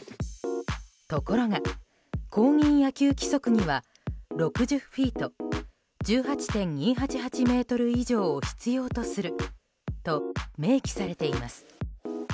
ところが、公認野球規則には６０フィート１８．２８８ｍ以上を必要とすると明記されています。